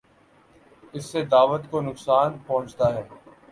اس سے دعوت کو نقصان پہنچتا ہے۔